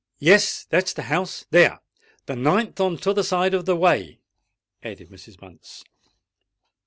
"Yes: and that's the house—there: the ninth on t'other side of the way," added Mrs. Bunce.